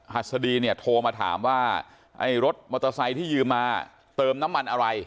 หัสดีเนี่ยโทรมาถามว่าไอ้รถมอเตอร์ไซค์ที่ยืมมาเติมน้ำมันอะไร